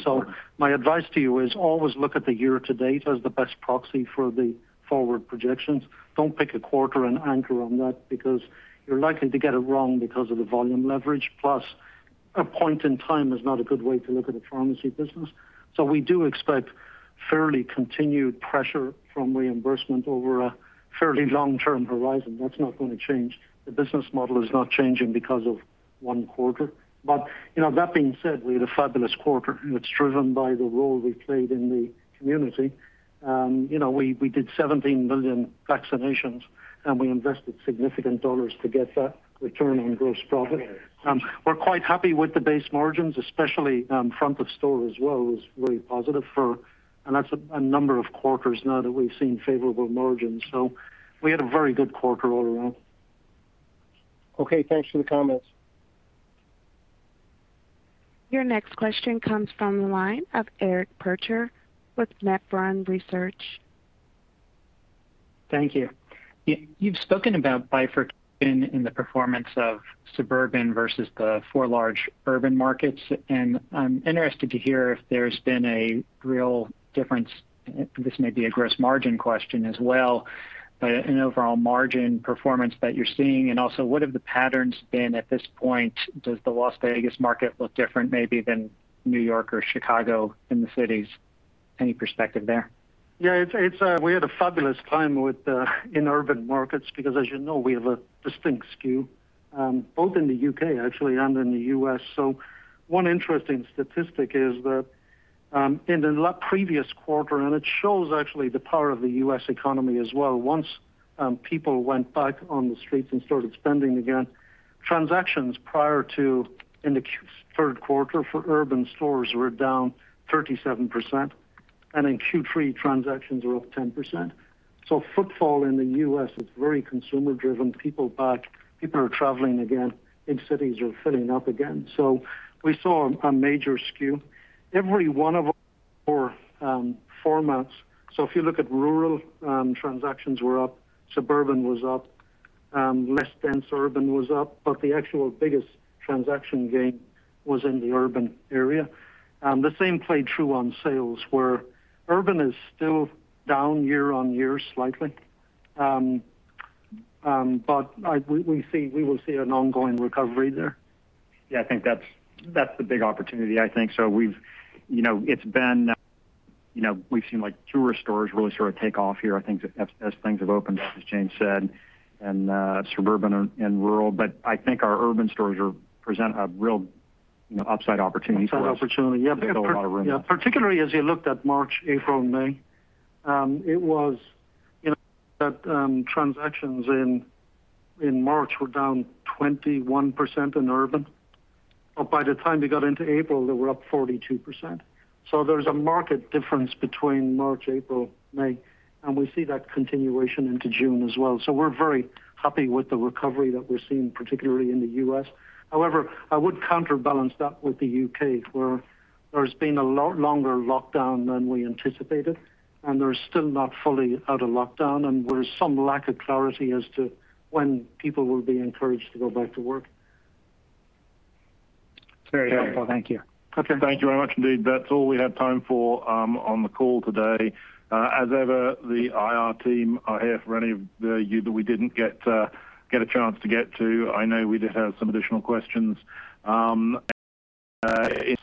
My advice to you is always look at the year to date as the best proxy for the forward projections. Don't pick a quarter and anchor on that because you're likely to get it wrong because of the volume leverage, plus a point in time is not a good way to look at the pharmacy business. We do expect fairly continued pressure from reimbursement over a fairly long-term horizon. That's not going to change. The business model is not changing because of one quarter. That being said, we had a fabulous quarter, and it's driven by the role we played in the community. We did 17 million vaccinations, and we invested significant dollars to get that return on gross profit. We're quite happy with the base margins, especially front of store as well is really positive for, That's a number of quarters now that we've seen favorable margins. We had a very good quarter all around. Okay, thanks for the comments. Your next question comes from the line of Eric Percher with Nephron Research. Thank you. You've spoken about bifurcation in the performance of suburban versus the four large urban markets. I'm interested to hear if there's been a real difference, this may be a gross margin question as well, but an overall margin performance that you're seeing. Also, what have the patterns been at this point? Does the Las Vegas market look different maybe than New York or Chicago in the cities? Any perspective there? Yeah, we had a fabulous time in urban markets because as you know, we have a distinct skew, both in the U.K. actually and in the U.S. One interesting statistic is that in the previous quarter, and it shows actually the power of the U.S. economy as well. Once people went back on the streets and started spending again, transactions prior to in the Q3 quarter for urban stores were down 37%, and in Q3, transactions were up 10%. Footfall in the U.S. is very consumer driven. People are back. People are traveling again. Big cities are filling up again. We saw a major skew. Every one of our formats. If you look at rural, transactions were up, suburban was up, less dense urban was up, but the actual biggest transaction gain was in the urban area. The same played true on sales where urban is still down year-on-year slightly. We will see an ongoing recovery there. Yeah, I think that's the big opportunity. I think so we've seen like fewer stores really sort of take off here, I think as things have opened, as James said, in suburban and rural. I think our urban stores present a real upside opportunity for us. It's an opportunity, yeah. Particularly as you looked at March, April, May. Transactions in March were down 21% in urban, but by the time you got into April, they were up 42%. There's a marked difference between March, April, May, and we see that continuation into June as well. We're very happy with the recovery that we're seeing, particularly in the U.S. However, I would counterbalance that with the U.K., where there's been a lot longer lockdown than we anticipated, and they're still not fully out of lockdown, and there is some lack of clarity as to when people will be encouraged to go back to work. Very helpful. Thank you. Okay. Thank you very much indeed. That's all we have time for on the call today. As ever, the IR team are here for any of you that we didn't get a chance to get to. I know we did have some additional questions. If we don't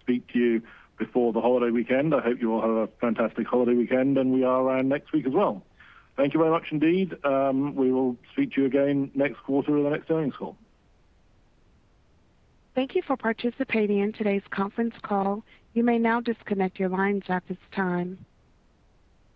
speak to you before the holiday weekend, I hope you all have a fantastic holiday weekend, and we are around next week as well. Thank you very much indeed. We will speak to you again next quarter at the next earnings call. Thank you for participating in today's conference call. You may now disconnect your lines at this time.